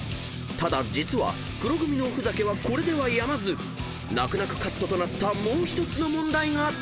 ［ただ実は黒組のおふざけはこれではやまず泣く泣くカットとなったもう１つの問題があった］